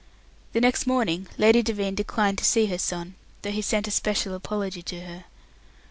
The next morning Lady Devine declined to see her son, though he sent a special apology to her.